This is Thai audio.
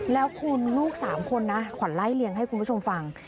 แล้วคุณลูก๓คนนะขวัญไล่เลี้ยงให้คุณผู้ชมฟัง